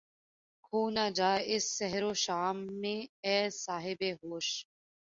کھو نہ جا اس سحر و شام میں اے صاحب ہوش